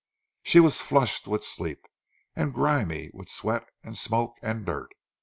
She was flushed with sleep, and grimy with sweat and smoke and dirt.